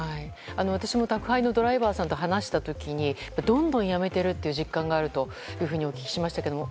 私も宅配のドライバーさんと話した時に、どんどん辞めているっていう実感があるとお聞きしましたけれども。